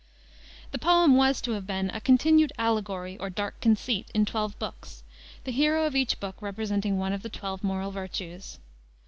The poem was to have been "a continued allegory or dark conceit," in twelve books, the hero of each book representing one of the twelve moral virtues.